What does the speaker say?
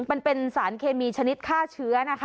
มันเป็นสารเคมีชนิดฆ่าเชื้อนะคะ